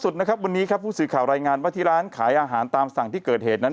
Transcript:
สุดนะครับวันนี้ครับผู้สื่อข่าวรายงานว่าที่ร้านขายอาหารตามสั่งที่เกิดเหตุนั้น